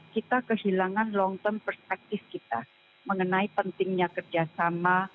kita kehilangan long term perspektif kita mengenai pentingnya kerjasama